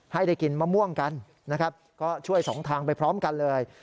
ให้ได้กินมะม่วงกันนะครับก็ช่วยสองทางไปพร้อมกันเลย